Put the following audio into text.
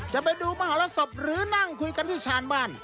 จะไปดูมหรสบหรือนั่งคุยกันที่ชานบ้าน